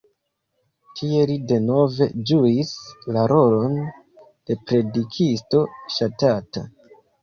Tie li denove ĝuis la rolon de predikisto ŝatata.